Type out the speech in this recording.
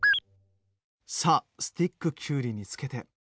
さあスティックきゅうりにつけて。